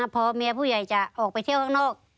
พอเมียผู้ใหญ่จะออกไปเที่ยวข้างนอก